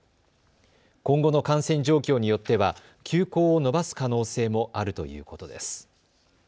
今後の感染状況によっては休校を延ばす可能性もあるということです。